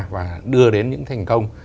và đưa đến những thành công